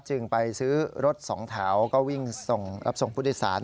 จึงไปซื้อรถสองแถวก็รับส่งพุทธศาสตร์